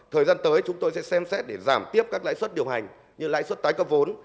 thời gian tới chúng tôi sẽ xem xét để giảm tiếp các lãi suất điều hành như lãi suất tái cấp vốn